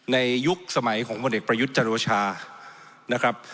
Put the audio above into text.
ในยุคสมัยของคนเด็กประยุทธ์จรวชานะครับ